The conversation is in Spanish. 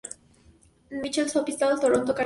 Michael’s Hospital, Toronto, Canadá.